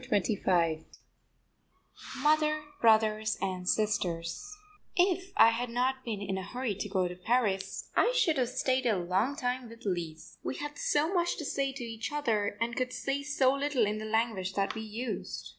CHAPTER XXV MOTHER, BROTHERS AND SISTERS If I had not been in a hurry to get to Paris I should have stayed a long time with Lise. We had so much to say to each other and could say so little in the language that we used.